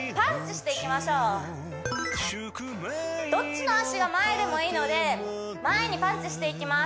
はいじゃあどっちの足が前でもいいので前にパンチしていきます